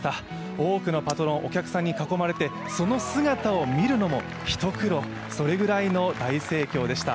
多くのパトロン、お客さんに囲まれてその姿を見るのも一苦労、それぐらいの大盛況でした。